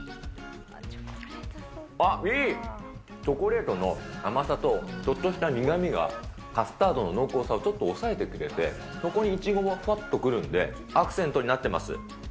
チョコレートの甘さと、ちょっとした苦みが、カスタードの濃厚さをちょっと抑えてくれて、そこにイチゴもふわっとくるんで、アクセントになってます。